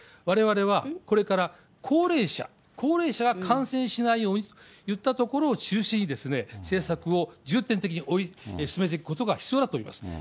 われわれは、これから高齢者、高齢者が感染しないようにといったところを中心に、政策を重点的に進めていくことが必要だと思います。